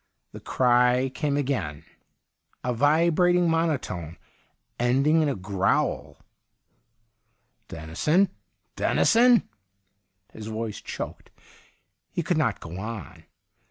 The cry came again, a vibrating monotone ending in a growl. ' Dennison, Dennison !' His voice choked ; he could not go on.